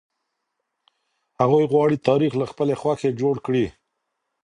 هغوی غواړي تاريخ له خپلي خوښې جوړ کړي.